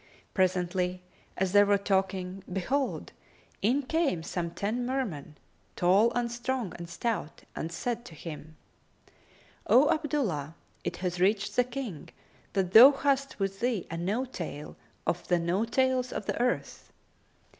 Presently, as they were talking, behold, in came some ten Mermen, tall and strong and stout, and said to him, "O Abdullah, it hath reached the King that thou hast with thee a No tail of the No tails of the earth."